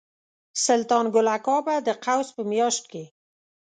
سلطان ګل اکا به د قوس په میاشت کې.